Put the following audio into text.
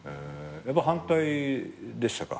やっぱ反対でしたか？